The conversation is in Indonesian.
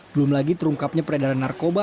belum lagi terungkapnya peredaran narkoba